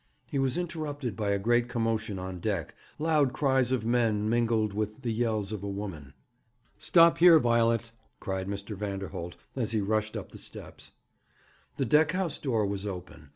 He was interrupted by a great commotion on deck loud cries of men, mingled with the yells of a woman. 'Stop here, Violet!' cried Mr. Vanderholt; and he rushed up the steps. The deck house door was open.